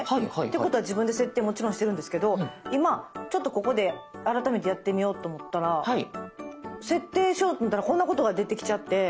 ていうことは自分で設定もちろんしてるんですけど今ちょっとここで改めてやってみようと思ったら設定しようと思ったらこんなことが出てきちゃって。